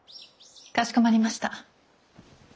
かしこまりました。